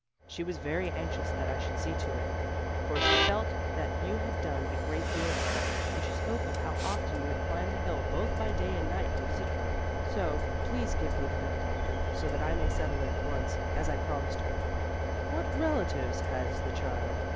She was very anxious that I should see to it, for she felt that you had done a great deal for her; and she spoke of how often you had climbed the hill both by day and night, to visit her. So, please give me the bill, doctor, so that I may settle it at once, as I promised her." "What relatives has the child?"